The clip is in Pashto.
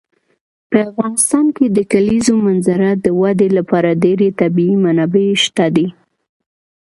په افغانستان کې د کلیزو منظره د ودې لپاره ډېرې طبیعي منابع شته دي.